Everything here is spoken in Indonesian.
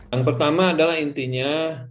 yang pertama adalah intinya